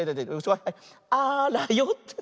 あらよって。